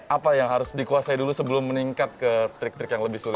apa yang harus dikuasai dulu sebelum meningkat ke trik trik yang lebih sulit